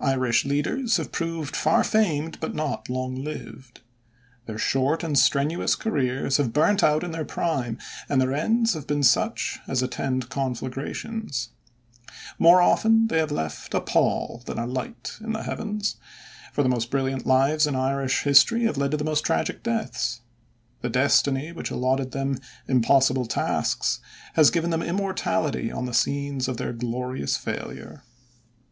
Irish leaders have proved far famed but not long lived. Their short and strenuous careers have burnt out in their prime, and their ends have been such as attend conflagrations. More often they have left a pall than a light in the heavens, for the most brilliant lives in Irish history have led to the most tragic deaths. The Destiny which allotted them impossible tasks has given them immortality on the scenes of their glorious failure.